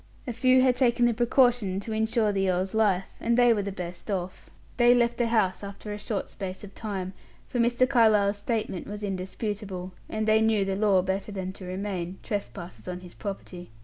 A few had taken the precaution to insure the earl's life, and they were the best off. They left the house after a short space of time; for Mr. Carlyle's statement was indisputable, and they knew the law better than to remain, trespassers on his property.